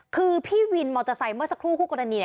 คือพี่วินมอเตอร์ไซค์เมื่อสักครู่คู่กรณี